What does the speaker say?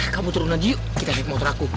kamu turun lagi yuk kita lihat motor aku